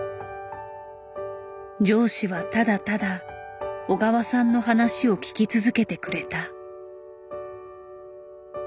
上司はただただ小川さんの話を聞き続けてくれた。